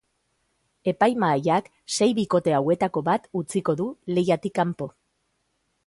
Epaimahaiak sei bikote hauetako bat utziko du lehiatik kanpo.